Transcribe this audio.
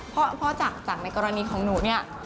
เพราะจากในกรณีของหนูเนี่ย